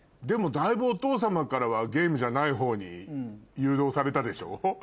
でもだいぶお父様からはゲームじゃないほうに誘導されたでしょ？